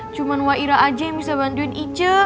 cuman wak ira aja yang bisa bantuin ica